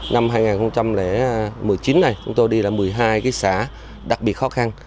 năm hai nghìn một mươi chín này chúng tôi đi là một mươi hai xã đặc biệt khó khăn